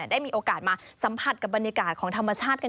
ได้มีโอกาสมาสัมผัสกับบรรยากาศของธรรมชาติกัน